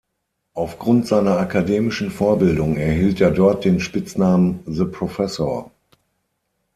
Auf Grund seiner akademischen Vorbildung erhielt er dort den Spitznamen „The Professor“.